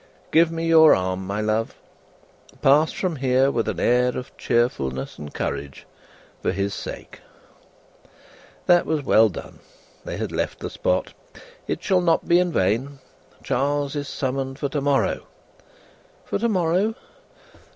"Give me your arm, my love. Pass from here with an air of cheerfulness and courage, for his sake. That was well done;" they had left the spot; "it shall not be in vain. Charles is summoned for to morrow." "For to morrow!"